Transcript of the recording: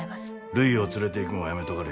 るいを連れていくんはやめとかれ。